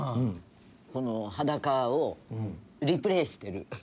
この裸をリプレーしてる。